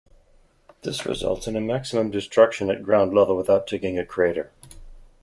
This results in a maximum destruction at ground level without digging a crater.